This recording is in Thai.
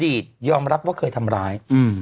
ตยอมรับว่าเคยทำร้าย